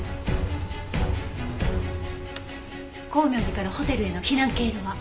光明寺からホテルへの避難経路は？